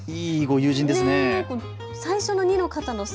いいご友人ですね。